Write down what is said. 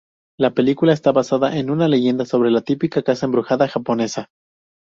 La película está basada en una leyenda sobre la típica casa embrujada japonesa.